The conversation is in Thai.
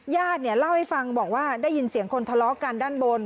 ญาติเนี่ยเล่าให้ฟังบอกว่าได้ยินเสียงคนทะเลาะกันด้านบน